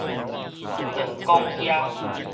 長管靴